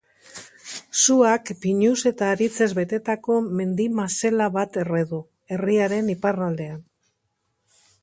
Suak pinuz eta aritzez betetako mendi-mazela bat erre du, herriaren iparraldean.